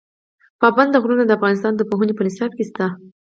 پابندي غرونه د افغانستان د پوهنې په نصاب کې شته.